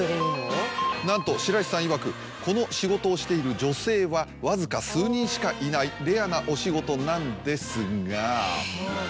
なんと白石さんいわくこの仕事をしている女性はわずか数人しかいないレアなお仕事なんですが。